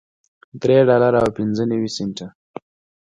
درې ډالره او پنځه نوي سنټه